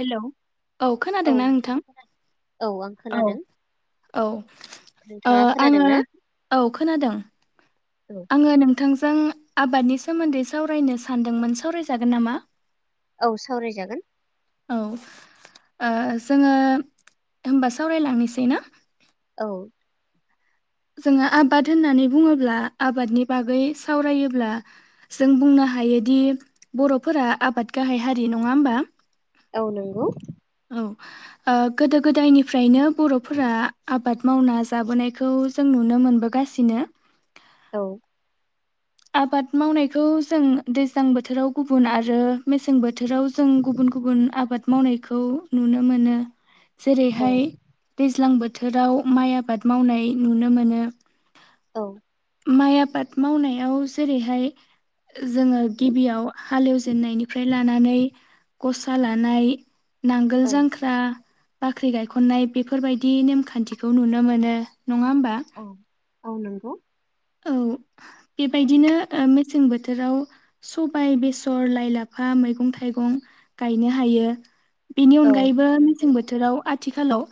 Hello औ खोनादोंना नोंथां औ आं औ खोनादों औ ओ नोंथाङा खोनादों आङो ना औ खोनादों औ आङो नोंथां जों आबादनि सोमोन्दै सावरायनो सानदोंमोन सावरायजागोन नामा औ सावरायजागोन औ ओ जोङो होनबा सावरायलांनोसै ना औ जोङो आबाद होननानै बुङोब्ला आबादनि बागै सावरायोब्ला जों बुंनो हायोदि बर'फोरा आबाद गाहाय हारि नङा होमबा औ नाेंगौ औ गोदो गोदायनिफ्रायनो बर'फोरा आबाद मावना जाबोनायखौ जों नुनो मोनबोगासिनो औ आबाद मावनायखौ जों दैज्लां बोथोराव गुबुन आरो मेसें बोथोराव जों गुबुन गुबुन आबाद मावनायखौ नुनो मोनो। औ जेरैहाय दैज्लां बो बोथोराव माइ आबाद मावनाय नुनो मोनो। औ माइ आबाद मावनाया एयाव जेरैहाय। जोङो गिबियाव हालेवजेननायनिफ्राय लानानै गसा लानाय नांगोल औ जांख्रा बाख्रि गायखन्नाय बेफोरबायदि नेमखान्थिखौ नुनो मोनो। नङाहोमबा। औ औ नंगौ। औ बेबायदिनो मेसें बोथोराव सबायाइ बेसर लाइ लाफा मैगं थाइगं गायनो हायो। बेनि औ अनगायैबो मेसें नंगौ बोथोराव आथिखालाव।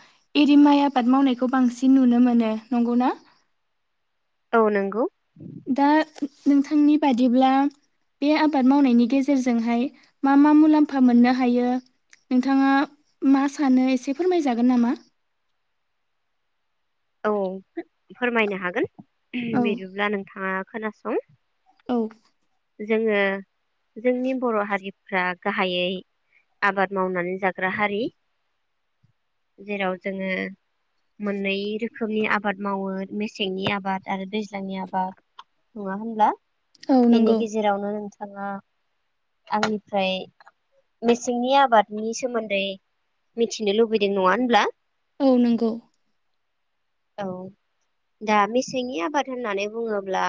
एरिमाइ आबाद मावनायखौ बांसिन नुनो मोनो नंगौना। औ नोंगौ। दा नोंथांनि बादिब्ला बे आबाद मावनायनि गेजेरजोंहाय मा मा मुलाम्फा मोननो हायो नोंथाङा मा सानो एसे फोरमायजागोन नामा। औ। फोरमायनो हागोन औ बिदिब्ला नोंथाङा। खोनासं। औ। जोङो जोंनि बर' हारिफ्रा गाहायै आबाद मावनानै जाग्रा हारि जेराव जोङो मोननै रोखोमनि आबाद मावो मेसेंनि आबाद आरो दैज्लांनि आबाद नङा होनब्ला। औ बेनि नंगौ गेजेरावनो नों। ओ आंनिफ्राय मेसेंनि आबादनि सोमोन्दै मिथिनो लुबैदों नङा होनब्ला। औ नंगौ। औ दा मेसेंनि आबाद होननानै बुङोब्ला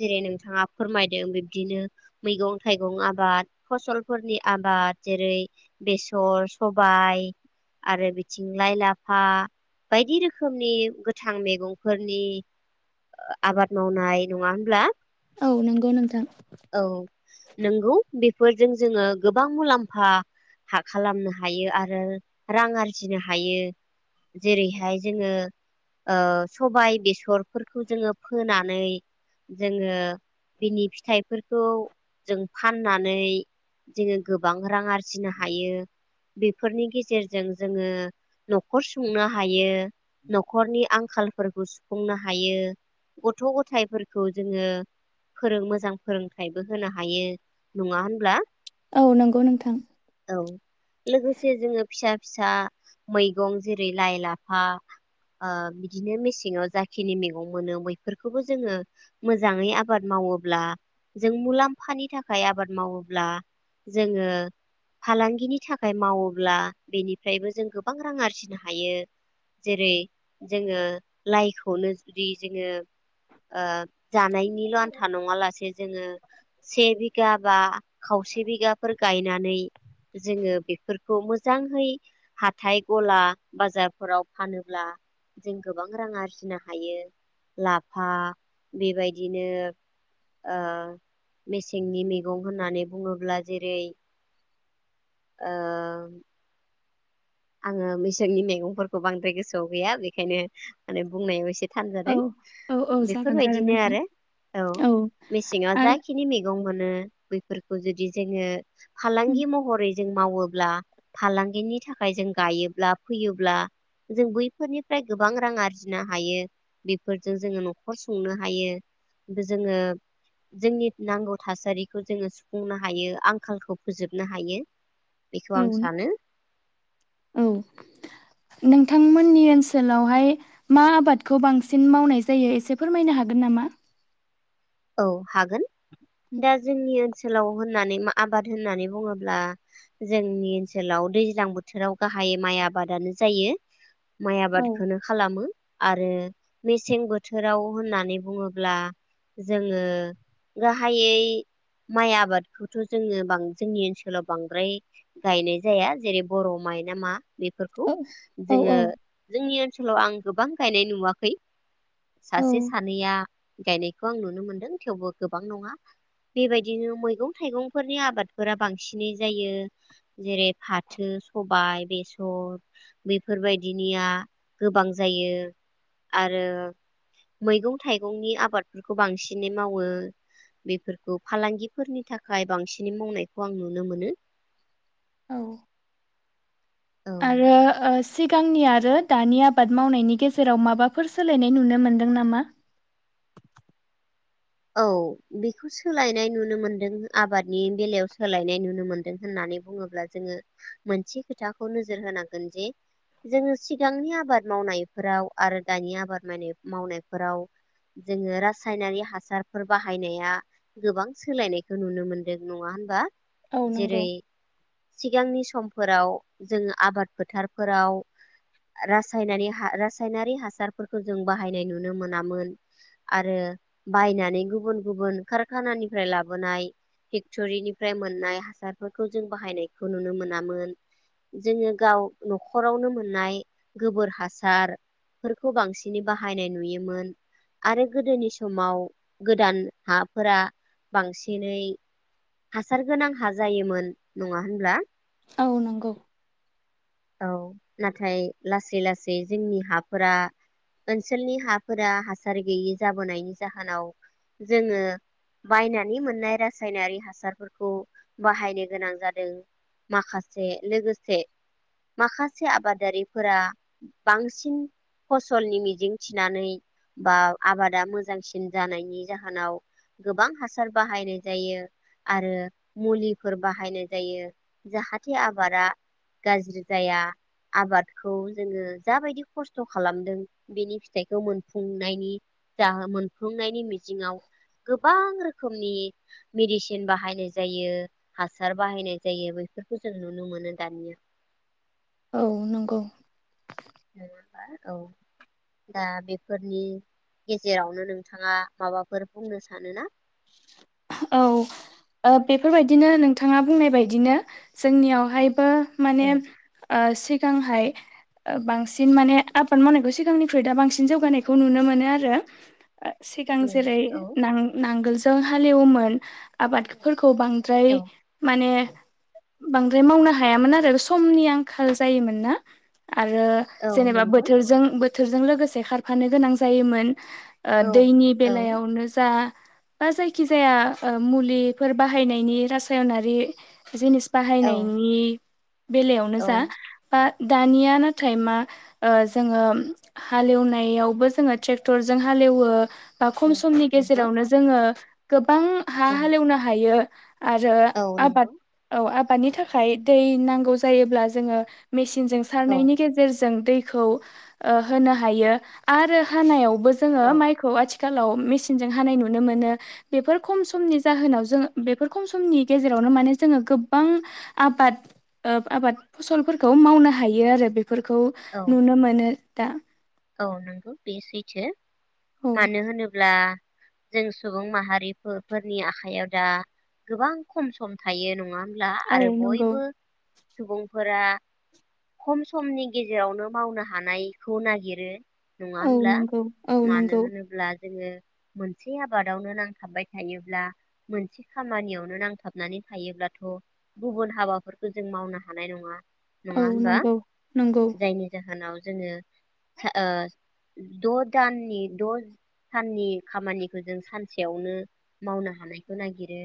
जेरै नोंथाङा फोरमायदों बिब्दिनो मैगं थाइगं आबाद फसलफोरनि आबाद जेरै बेसर सबाय आरो बिथिं लाइ लाफा बायदि रोखोमनि। नि गोथां मैगंफोरनि आबाद मावनाय नङा होनोमब्ला। औ नंगौ नोंथां। फोरजों जोङो गोबां मुलाम्फा खालामनो हायो आरो रां आरजिनो हायो। जेरैहाय जोङो। ओ सबाय बेसरफोरखौ जोङो फोना। नानै जोङो बिनि फिथाइफोरखौ जों फाननानै जोङो गोबां रां आर जिनो हायो। बेफोरनि गेजेरजों जोङो न'खर सुंनो हायो। न'खरनि आं खालफोरखौ सुफुंनो हायो गथ' गथायाइफोरखौ जोङो फोरों मोजां फोरोंथाइबो होनो हायो नङा होनब्ला। औ नंगौ नोंथां औ लोगोसे जोङो फिसा फिसा मैगं जेरै लाइ लाफा ओ बिदिनो मेसेङाव जाखिनि मैगं मोनो बैफोरखौबो जोङो मोजाङै आबाद मावोब्ला जों मुलाम्फानि थाखाय आबाद मावोब्ला जोङो फालांगिनि थाखाय मावोब्ला बेनिफ्रायबो जों गोबां रां आरजिनो हायो जेरै जोङो लाइखौनो जुदि जोङो ओ जानायनिल' आन्था नङा लासे जोङो से बिगा बा खावसे बिगाफोर गायनानै जोङो बेफोर खौ मोजांहै हाथाइ गला बाजारफोराव फानोब्ला जों गोबां रां आरजिनो हायो लाफा बेबायदिनो ओ मेसेंनि मैगं होननानै बुङोब्ला जेरै ओ आङो मैसेंनि मैगंफोरखौ बांद्राय गोसोआव गैया बेखायनो माने बुंनायाव एसे औ थानजादों औ औ जागोन जागोन बेफोरबायदिनो नोंथां आरो औ मेसेङाव आ जाखिनि मैगं मोनो बैफोरखौ जुदि जोङो उम फालांगि महरै जों मावोब्ला फालांगिनि थाखाय थाखाय जों गायोब्ला फैयोब्ला जों बैफोरनिफ्राय गोबां रां आरजिनो हायो बेफोरजों जोङो न'खर संनो हायो जोङो जोंनि नांगौ थासारिखौ जोङो सुफुंनो हायो आंखालखौ फोजोबनो हायो बेखौ औ आं सानो औ नोंथांमोननि ओनसोलावहाय मा आबादखौ बांसिन मावनाय जायो एसे फोरमायनो हागोन नामा औ हागोन दा जोंनि ओनसोलाव होननानै आबाद होननानै बुङोब्ला जोंनि ओनसोलाव दैज्लां बोथोराव गाहाय माइ आबादानो जायो माइ औ आबादखौनो खालामो आरो मेसें बोथोराव होननानै बुङोब्ला जोङो गाहायै माइ आबादखौथ' जोङो जोंनि ओनसोलाव बांद्राय गायनाय जाया जेरै बर' माइ नामा बेफोरखौ औ औ जोङो जोंनि ओनसोलाव आं गोबां गायनाय नुवाखै औ सासे सानैया गायनाय खौ आं नुनो मोनदों थेवबो गोबां नङा बेबायदिनो मैगं थाइगंफोरनि आबादफोरा बांसिनै जायो जेरै फाथो सबाय बेसर बेफोरबायदिनिया गोबां जायो आरो मैगं थाइगंनि आबाद बेफोरखौ बांसिनै मावो बेफोरखौ फालांगिफोरनि थाखाय बांसिनै मावनायखौ आं नुनो मोनो औ औ आरो सिगांनि आरो दानि आबाद मावनायनि गेजेराव माबाफोर सोलायनाय नुनो मोनदों नामा औ बेखौ सोलायनाय नुनो मोनदों आबादनि बेलायाव सोलायनाय नुनो मोनदों होननानै बुङोब्ला जोङो मोनसे खोथाखौ नोजोर होनांगोन जे जोङो सिगांनि आबाद मावनायफोराव आरो दानि आबाद मावनाय मावनायफोराव जोङो रासायनारि हासार फोर बाहायनाया गोबां सोलायनायखौ नुनो मोनदों नङा होनबा औ नंगौ जेरै सिगांनि समफोराव जोङो आबाद फोथारफोराव रासायनारि रासायनारि हासारफोरखौ जों बाहायनाय नुनो मोनामोन आरो बायनानै गुबुन गुबुन कारखानानिफ्राय लाबोनाय फेक्टरिनिफ्राय मोननाय हासारफोरखौ जों बाहायनायखौ नुनो मोनामोन जोङो गाव न'खरावनो मोननाय गोबोर हासारफोरखौ बांसिनै बाहायनाय नुयोमोन आरो गोदोनि समाव गोदान हाफोरा बांसिनै हासार गोनां हा जायोमोन नङा होनब्ला औ नंगौ औ नाथाय लासै लासै जोंनि हाफोरा ओनसोलनि हाफोरा हासार गैयि जाबोनायनि जाहोनाव जोङो बायनानै मोननाय रासायनारि हासारफोरखौ बाहायनो गोनां जादों माखासे लोगोसे माखासे आबादारिफोरा बांसिन फसलनि मिजिं थिनानै बा आबादा मोजांसिन जानायनि जाहोनाव गोबां हासार बाहायनाय जायो आरो मुलिफोर बाहायनाय जायो जाहाथे बे आबादा गाज्रि जाया आबादखौ जोङो जाबायदि खस्थ' खालामदों बेनि फिथाइखौ मोनफुंनायनि जा मोनफुंनायनि मिजिङाव गोबां रोखोमनि मेडिसिन बाहायनाय जायो हासार बाहायनाय जायो बेफोरखौ जों नुनो मोनो दानिया औ नंगौ नङाबा औ दा बेफोरनि गेजेरावनो नोंथाङा माबाफोर बुंनो सानोना? औ बेफोरबायदिनो नोंथाङा बुंनाय बदिनो जोंनियावहायबो माने औ ओ सिगांहाय बांसिन माने आबाद मावनायखौ सिगांनिख्रु दा बांसिन जौगानायखौ नुनो मोनो आरो सिगां मोनो जेरै औ नां-नांगोल- जों हालेवोमोन आबाद खौ औ बांद्राय माने बांद्राय मावनो हायामोन आरो समनि आंखाल जायोमोन ना आरो औ जेनेबा नंगौ बोथोरजों बो बोथोरजों लोगोसे खारफानो गोनां जायोमोन ओ औ दैनि औ बेलायावनो जा दा जायखि जाया ओ मुलिफोर बाहायनायनि रासायनारि जिनिस औ बाहायनायनि बेलायावनो औ जा बा दानिया नाथाय मा जोङो हालेवनायावबो जोङो ट्रेक्टरजों हाल एवो बा औ खम समनि नंगौ गेजेरावनो जोङो गोबां हा औ हालेवनो हायो आरो औ आबाद नंगौ औ आब- बेनि थाखाय दै नांगौ जायोब्ला जोङो मेसिन जों औ सारनायनि गेजेरजों दै खोव होनो हायो आरो हानायाबो बो जों औ मायखौ आथिं आथिखालाव मेसिनजों हानाय नुनो मोनो बेफोर खम समनि जाहोनाव जो बेफोर खम समनि गेजेरावनो माने जोङो गोबां आबाद आबाद फसलफोरखौ मावनो हायो आरो बे फोरफोरखौ औ नुनो मोनो दा औ नोंगौ बे सेैथौ औ मानो होनोब्ला जों सुबुं माहारि फोरनि आखाइायाव दा गोबां खम सम थायो नङा होनबा [unintelligible] औ आरो नंगौ बयबो सुबुंफोरा खम समनि गेजेरावनो मावनो हानायखौ नागिर- यो नङा औ होनब्ला नंगौ औ मानो नंगौ होनोब्ला जोङो मोनसे आबादावनो नांथाबबाय थायोब्ला मोनसे खामानियावनो नांथाबनानै थायोब्लाथ' गुबुन हाबाफोरखौ जों मावनो हानाय नङा औ नङा होनबा नंगौ नंगौ जायनि जाहोनाव जोंओ ओ द' दाननि द' साननि खामानिखौ जों सानसेयावनो मावनो हानायखौ नागिरो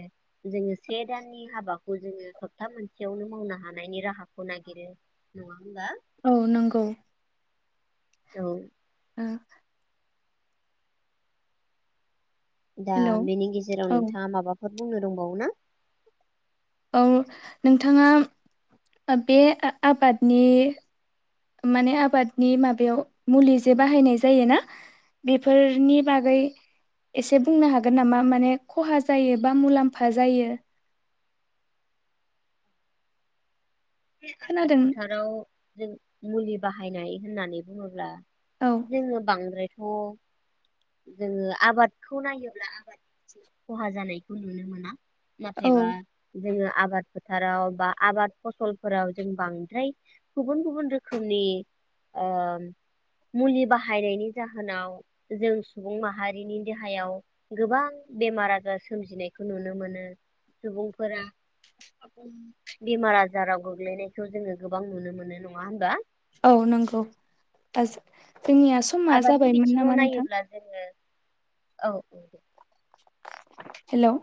जोङो से दाननि हाबाखौ जोङो सप्ता मोनसेयावनो मावनो हानायनि राहाखौ नागिरो नङा होमबा औ नंगौ औ बाबो दा हेलौ बेनि गेजेराव औ नोंथाङा माबाफ बुंनो दंबावो ना? औ नोंथाङा बे आबादनि माने आबादनि माबायाव मुलि जे बाहायनाय जायोना बेफोरनि बागै एसे बुंनो हागोन नामा माने खहा जायो बा मुलाम्फा जायो? बे आबाद खोनादों फोथाराव जों मुलि बाहायनाय होननानै बुङोब्ला औ जोंङो बांद्राय थ' जोङो आबादखौ नायोब्ला आबादनि सायाव खहा जानायखौ नुनो मोना। औ नाथायबा जोङो आबाद फोथाराव बा आबाद फसल फोराव जों बांद्राय गुबुन गुबुन रोखोमनि ओ मुलि बाहायनायनि जाहोनाव जों सुबुं माहारिनि देहायाव गोबां बेमार आजार सोमजिनायखौ नुनो मोनो सुबुंफोरा बेमार आजाराव गोग ग्लैनायखौ जोङो गोबां नुनो मोनो नङा होमबा? औ नंगौ आ जो जोंनिया समा आबादनि जाबायमोन बिथिङाव नामा नोंथां? नायोब्ला जोङो औ हेल'